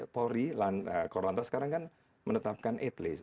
polri korlanta sekarang kan menetapkan eitli